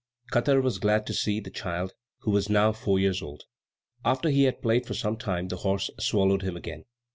Katar was very glad to see the child, who was now four years old. After he had played for some time, the horse swallowed him again.